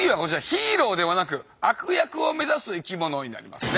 ヒーローではなく悪役を目指す生きものになりますね。